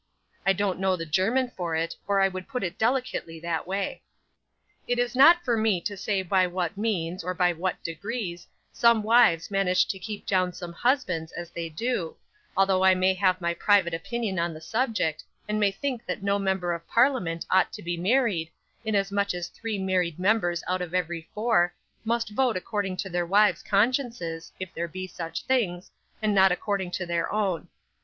I don't know the German for it, or I would put it delicately that way. 'It is not for me to say by what means, or by what degrees, some wives manage to keep down some husbands as they do, although I may have my private opinion on the subject, and may think that no Member of Parliament ought to be married, inasmuch as three married members out of every four, must vote according to their wives' consciences (if there be such things), and not according to their own.